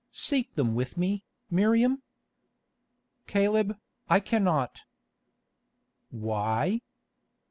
Seek them with me, Miriam." "Caleb, I cannot." "Why?"